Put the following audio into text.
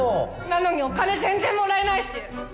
なのにお金全然もらえないし！